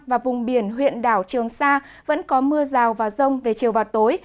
và vùng biển huyện đảo trường sa vẫn có mưa rào và rông về chiều và tối